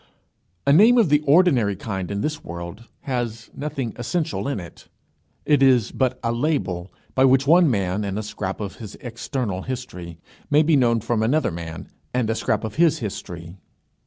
A name of the ordinary kind in this world, has nothing essential in it. It is but a label by which one man and a scrap of his external history may be known from another man and a scrap of his history.